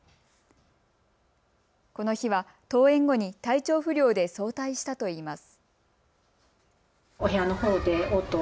この日は登園後に体調不良で早退したといいます。